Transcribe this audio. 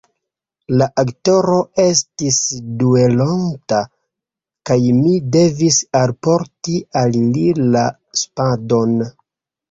La aktoro estis duelonta, kaj mi devis alporti al li la spadon.